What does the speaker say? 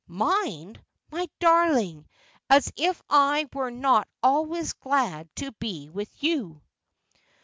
' Mind ! My darling, as if I were not always glad to be with you.'